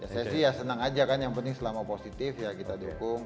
saya sih ya senang aja kan yang penting selama positif ya kita dukung